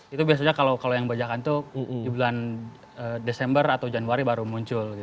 itu biasanya kalau yang bajakan itu di bulan desember atau januari baru muncul